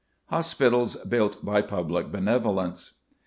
HOSPITALS BUILT BY PUBLIC BENEVOLENCE.